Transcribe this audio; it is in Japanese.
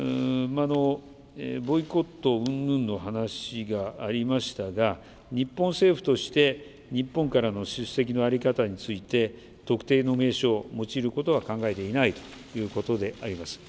ボイコットうんぬんの話がありましたが、日本政府として、日本からの出席の在り方について、特定の名称を用いることは考えていないということであります。